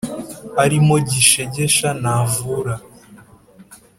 ”arimo gishegesha ntavura